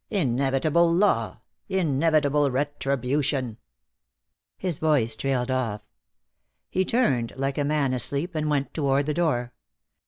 Inevitable law, inevitable retribution " His voice trailed off. He turned like a man asleep and went toward the door.